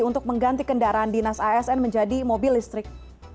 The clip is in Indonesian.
untuk mengganti kendaraan dinas asn menjadi mobil listrik